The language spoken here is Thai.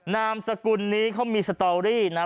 นามสกุลนี้เขามีสตอรี่นะ